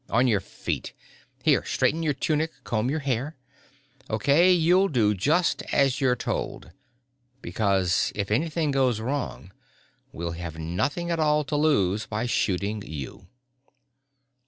On your feet! Here, straighten your tunic, comb your hair. Okay, you'll do just as you're told, because if anything goes wrong we'll have nothing at all to lose by shooting you."